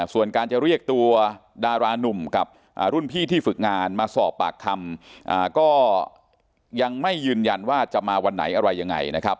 ส่วนการจะเรียกตัวดารานุ่มกับรุ่นพี่ที่ฝึกงานมาสอบปากคำก็ยังไม่ยืนยันว่าจะมาวันไหนอะไรยังไงนะครับ